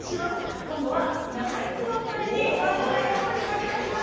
今度は、ナイツのお二人に漫才をご披露いただきます。